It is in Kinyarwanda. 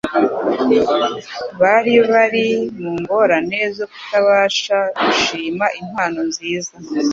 Bari bari mu ngorane zo kutabasha gushima impano nziza